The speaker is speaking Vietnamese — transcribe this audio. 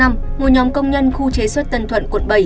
một nhóm công nhân khu chế xuất tân thuận quận bảy